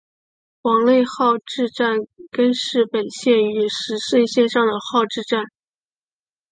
广内号志站根室本线与石胜线上的号志站。